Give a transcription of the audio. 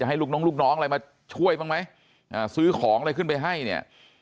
ให้ลูกน้องลูกน้องอะไรมาช่วยบ้างไหมซื้อของอะไรขึ้นไปให้เนี่ย